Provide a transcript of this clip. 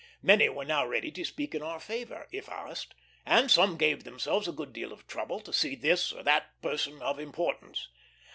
Many were now ready to speak in our favor, if asked; and some gave themselves a good deal of trouble to see this or that person of importance.